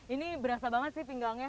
ini berasa banget sih pinggangnya